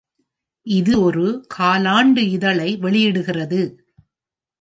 இது ஒரு காலாண்டு இதழை வெளியிடுகிறது.